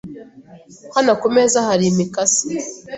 Hano kumeza hari imikasi.